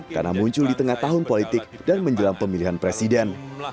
karena muncul di tengah tahun politik dan menjelang pemilihan presiden